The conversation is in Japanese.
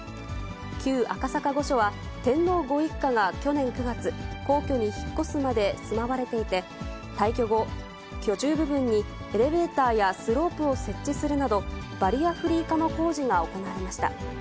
旧赤坂御所は天皇ご一家が去年９月、皇居に引っ越すまで住まわれていて、退去後、居住部分にエレベーターやスロープを設置するなど、バリアフリー化の工事が行われました。